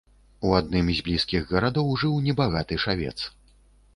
У адным з блізкіх гарадоў жыў небагаты шавец.